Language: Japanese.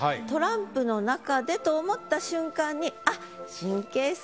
トランプの中でと思った瞬間にあっ。